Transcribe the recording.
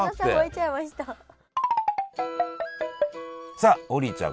さあ王林ちゃん